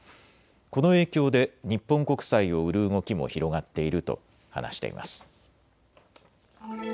この影響で日本国債を売る動きも広がっていると話しています。